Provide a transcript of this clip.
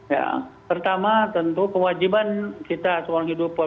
ya pertama tentu kewajiban kita soal hidup